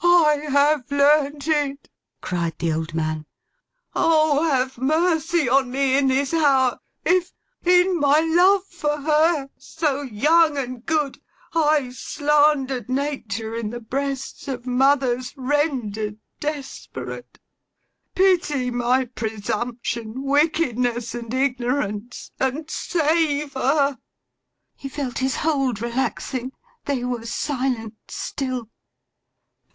'I have learnt it!' cried the old man. 'O, have mercy on me in this hour, if, in my love for her, so young and good, I slandered Nature in the breasts of mothers rendered desperate! Pity my presumption, wickedness, and ignorance, and save her.' He felt his hold relaxing. They were silent still.